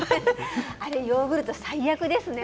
あれ、ヨーグルト最悪でしたね。